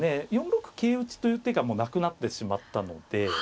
４六桂打という手がもうなくなってしまったので。